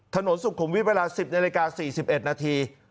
ถนนสุขุมวิทย์เวลา๑๐นาฬิกา๔๑นาที